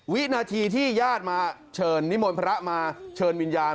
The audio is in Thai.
วินาทีที่ญาติมาเชิญนิมนต์พระมาเชิญวิญญาณ